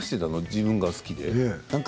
自分が好きで？